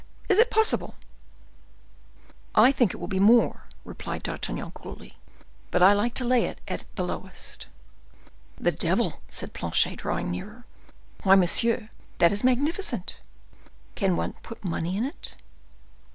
is that possible?" "I think it will be more," replied D'Artagnan coolly; "but I like to lay it at the lowest!" "The devil!" said Planchet, drawing nearer. "Why, monsieur, that is magnificent! Can one put much money in it?"